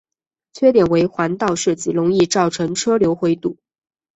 缺点为环道设计容易造成车流回堵。